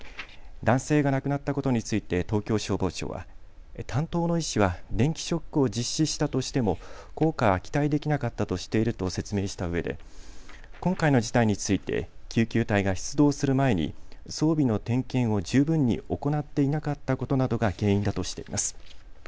男性が亡くなったことについて東京消防庁は担当の医師は電気ショックを実施したとしても効果は期待できなかったとしていると説明したうえで今回の事態について救急隊が出動する前に装備の点検を十分に行っていなかったことなどが原因だとしています。